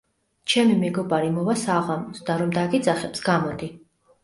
ჩემი მეგობარი მოვა საღამოს, და რომ დაგიძახებს, გამოდი.